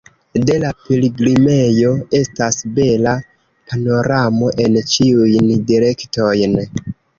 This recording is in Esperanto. De la pilgrimejo estas bela panoramo en ĉiujn direktojn.